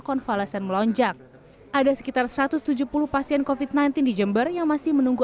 konvalesen melonjak ada sekitar satu ratus tujuh puluh pasien covid sembilan belas di jember yang masih menunggu